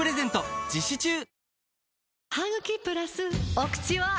お口は！